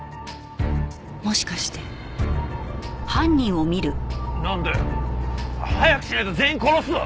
もしかしてなんだよ？早くしねえと全員殺すぞ！